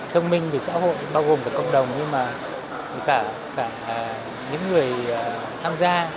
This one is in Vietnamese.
thông minh về xã hội bao gồm cả cộng đồng nhưng mà cả những người tham gia